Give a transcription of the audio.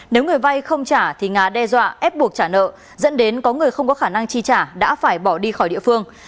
nếu người vay không trả thì nga đe dọa ép buộc trả nợ dẫn đến có người không có khả năng chi trả đã phải bỏ đi khỏi địa phương